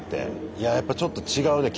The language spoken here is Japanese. いややっぱちょっと違うね。